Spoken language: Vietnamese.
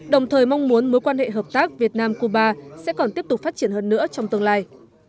đồng thời mong muốn mối quan hệ hợp tác việt nam cuba sẽ còn tiếp tục phát triển hơn nữa trong tương lai